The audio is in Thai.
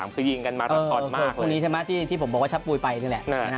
คือยิงกันมารถทอดมากเลย